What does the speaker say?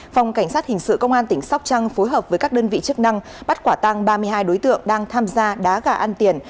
phòng cảnh sát hình sự công an tỉnh sóc trăng phối hợp với các đơn vị chức năng bắt quả tăng ba mươi hai đối tượng đang tham gia đá gà ăn tiền